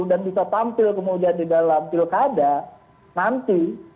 dan bisa tampil kemudian di dalam pilkada nanti